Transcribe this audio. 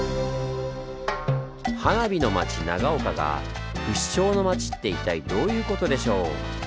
「花火の町長岡」が「不死鳥の町」って一体どういうことでしょう？